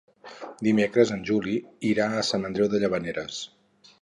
Dimecres en Juli irà a Sant Andreu de Llavaneres.